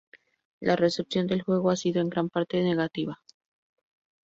La recepción del juego ha sido en gran parte negativa.